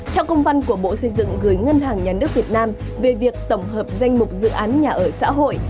theo công văn của bộ xây dựng gửi ngân hàng nhà nước việt nam về việc tổng hợp danh mục dự án nhà ở xã hội